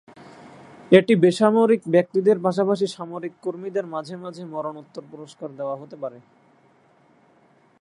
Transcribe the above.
এটি বেসামরিক ব্যক্তিদের পাশাপাশি সামরিক কর্মীদের মাঝে মাঝে মরণোত্তর পুরস্কার দেওয়া হতে পারে।